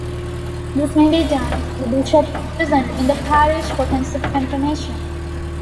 This may be done when the bishop is present in the parish for Confirmation.